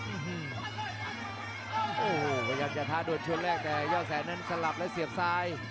โอ้โหพยายามจะท้าด่วนชวนแรกแต่ยอดแสนนั้นสลับและเสียบซ้าย